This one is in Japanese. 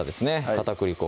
片栗粉